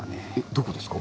どこですか？